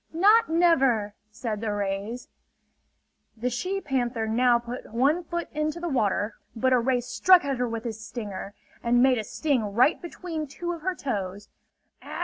"Not never!" said the rays. The she panther now put one foot into the water; but a ray struck at her with its stinger, and made a sting right between two of her toes.